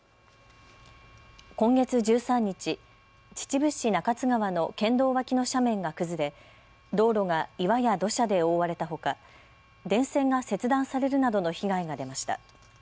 今月１３日、秩父市中津川の県道脇の斜面が崩れ道路が岩や土砂で覆われたほか電線が切断されるなどの被害が出ました。